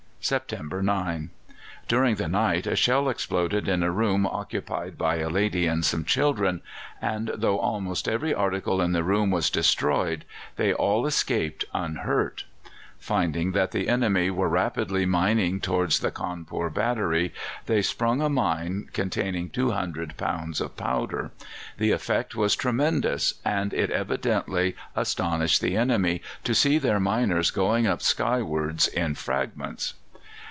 September 9. During the night a shell exploded in a room occupied by a lady and some children, and, though almost every article in the room was destroyed, they all escaped unhurt. Finding that the enemy were rapidly mining towards the Cawnpore battery, they sprung a mine containing 200 pounds of powder. The effect was tremendous, and it evidently astonished the enemy to see their miners going up skywards in fragments.